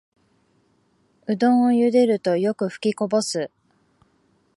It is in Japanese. うどんをゆでるとよくふきこぼす